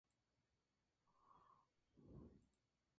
Toda la pequeña isla ha sido designada como santuario de la naturaleza.